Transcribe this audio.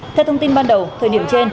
theo thông tin ban đầu thời điểm trên